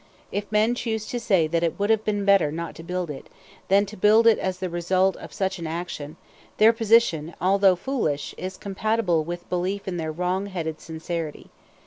If men choose to say that it would have been better not to build it, than to build it as the result of such action, their position, although foolish, is compatible with belief in their wrongheaded sincerity.